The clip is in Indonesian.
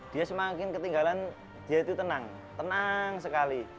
dia semakin ketinggalan dia itu tenang tenang sekali